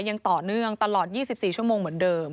ยังต่อเนื่องตลอด๒๔ชั่วโมงเหมือนเดิม